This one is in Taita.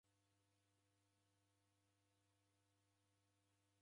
Kwaki kunisungiaa?